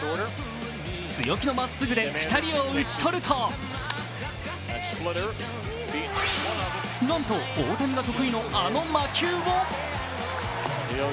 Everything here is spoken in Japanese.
強気のまっすぐで２人を打ち取るとなんと、大谷が得意のあの魔球を。